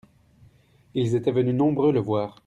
Ils étaient venus nombreux le voir.